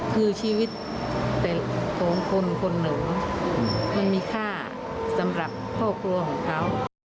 คือชีวิตแต่ของคนคนหนึ่งมันมีค่าสำหรับครอบครัวของเขา